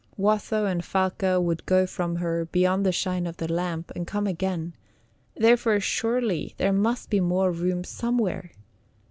Watho and Falca would go from her beyond the shine of the lamp, and come again; therefore surely there must be more room somewhere.